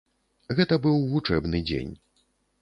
Гэта быў вучэбны дзень.